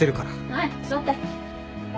はい座って。